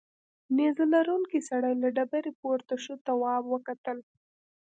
نیزه لرونکی سړی له ډبرې پورته شو تواب وکتل.